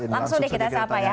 langsung deh kita sapa ya